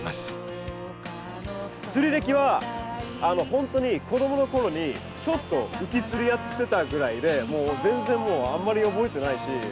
釣り歴はほんとに子どもの頃にちょっとウキ釣りやってたぐらいで全然もうあんまり覚えてないしほとんどないですね。